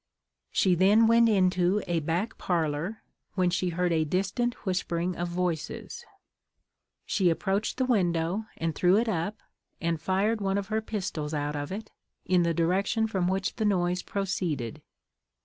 She then went into a back parlour, when she heard a distant whispering of voices; she approached the window, and threw it up, and fired one of her pistols out of it, in the direction from which the noise proceeded.